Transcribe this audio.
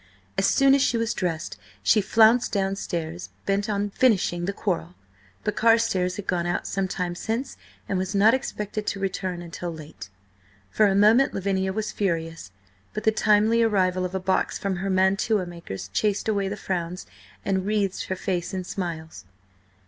As soon as she was dressed, she flounced downstairs, bent on finishing the quarrel. But Carstares had gone out some time since, and was not expected to return until late. For a moment Lavinia was furious, but the timely arrival of a box from her mantua maker's chased away the frowns and wreathed her face in smiles.